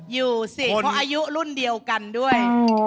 อยู่สิเพราะอายุรุ่นเดียวกันด้วย